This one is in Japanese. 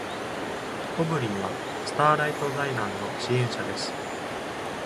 ホブリーはスターライト財団の支援者です。